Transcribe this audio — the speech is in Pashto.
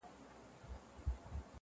تر قیامته به یې حرف ویلی نه وای!!..